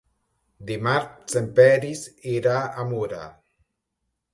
Dimarts en Peris irà a Mura.